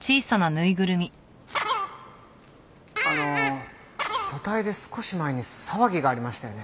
あの組対で少し前に騒ぎがありましたよね？